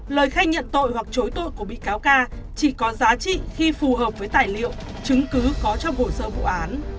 lời khai nhận tội hoặc chối tội của bị cáo ca chỉ có giá trị khi phù hợp với tài liệu chứng cứ có trong hồ sơ vụ án